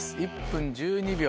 １分１２秒４８。